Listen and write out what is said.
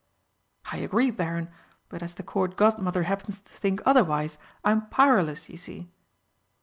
"I agree, Baron, but as the Court Godmother happens to think otherwise, I'm powerless, you see."